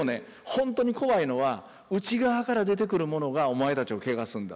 ほんとに怖いのは内側から出てくるものがお前たちをけがすんだ。